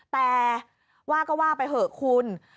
แต่ว่าก็ว่าไปเถอะคุณ